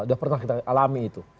sudah pernah kita alami itu